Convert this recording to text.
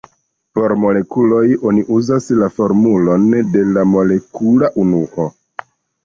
Por molekuloj, oni uzas la formulon de la molekula unuo.